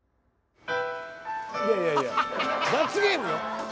いやいやいや罰ゲームよ。